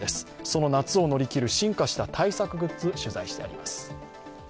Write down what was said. その夏を乗り切る、進化した対策グッズ、取材してあります。